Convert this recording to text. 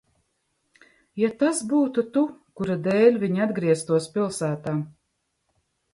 Ja tas būtu tu, kura dēļ viņi atgrieztos pilsētā?